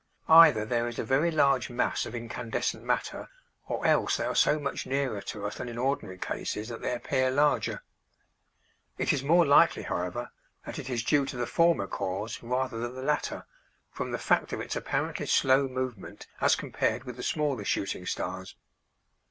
Either there is a very large mass of incandescent matter or else they are so much nearer to us than in ordinary cases that they appear larger. It is more likely, however, that it is due to the former cause rather than the latter, from the fact of its apparently slow movement as compared with the smaller shooting stars.